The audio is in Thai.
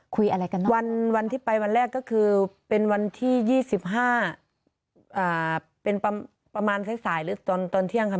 คุยอะไรกันบ้างวันที่ไปวันแรกก็คือเป็นวันที่๒๕เป็นประมาณสายหรือตอนเที่ยงค่ะ